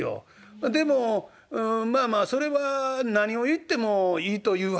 でもまあまあそれは何を言ってもいいというわけでもない。